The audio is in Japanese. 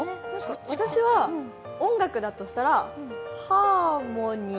私は音楽だとしたらハーモニー。